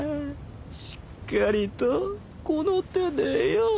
しっかりとこの手でよぉ。